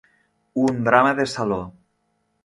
Un drama de saló.